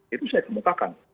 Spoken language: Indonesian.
itu saya temukakan